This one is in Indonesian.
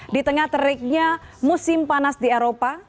di tengah teriknya musim panas di eropa